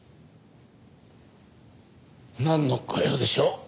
なんのご用でしょう？